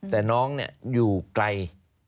แต่น้องเนี่ยอยู่ไกล